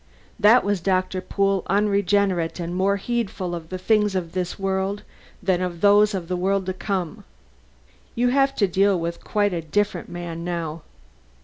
"That was Doctor Pool unregenerate and more heedful of the things of this world than of those of the world to come. You have to deal with quite a different man now.